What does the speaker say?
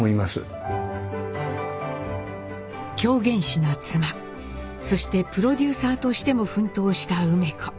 狂言師の妻そしてプロデューサーとしても奮闘した梅子。